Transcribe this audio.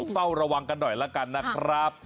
เฝ้าระวังกันหน่อยละกันนะครับ